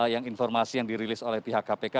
yang informasi yang dirilis oleh pihak kpk